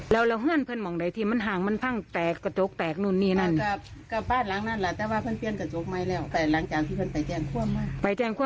ผู้ใดเป็นคนไปแกล้งค่ะ